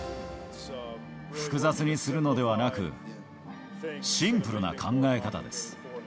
複雑にするのではなく、シンプルな考え方です。